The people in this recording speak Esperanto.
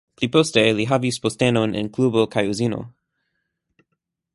Pli poste li havis postenon en klubo kaj uzino.